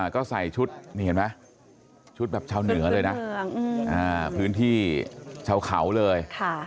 ก็ใส่ชุดแบบชาวเหนือเลยนะพื้นที่ชาวเขาเลย